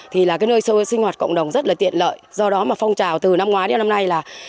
thì là cái nơi sinh hoạt cộng đồng rất là tiện lợi do đó mà phong trào từ năm ngoái đến năm nay là